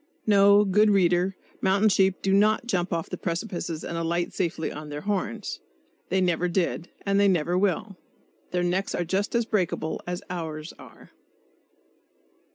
No, good reader, mountain sheep do not "jump off precipices and alight safely on their horns." They never did; and they never will. Their necks are just as breakable as ours are.